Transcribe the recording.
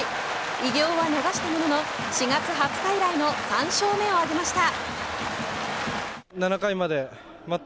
偉業は逃したものの４月２０日以来の３勝目を挙げました。